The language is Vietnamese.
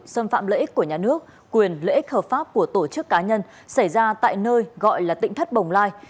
xâm phạm lợi ích của nhà nước quyền lợi ích hợp pháp của tổ chức cá nhân xảy ra tại nơi gọi là tỉnh thất bồng lai